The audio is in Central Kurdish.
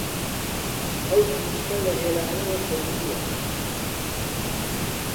ئەو جووچکە لە هێلانەوە کەوتووە